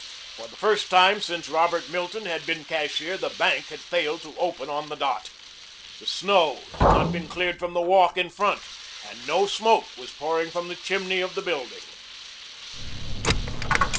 For the first time since Robert Milton had been cashier the bank had failed to open on the dot. The snow had not been cleared from the walk in front and no smoke was pouring from the chimney of the building.